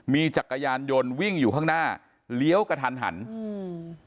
มีจักรยานยนต์วิ่งอยู่ข้างหน้าเลี้ยวกระทันหันอืม